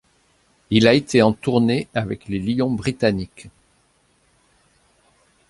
Il a été en tournée avec les Lions britanniques.